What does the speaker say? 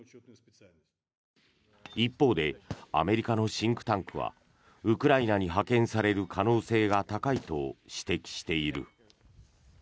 一方でアメリカのシンクタンクはウクライナに派遣される可能性が高いと指摘している。